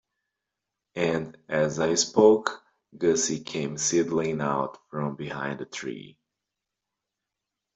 And, as I spoke, Gussie came sidling out from behind a tree.